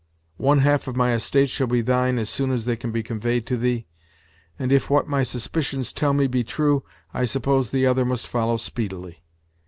One half of my estates shall be thine as soon as they can be conveyed to thee; and, if what my suspicions tell me be true, I suppose the other must follow speedily."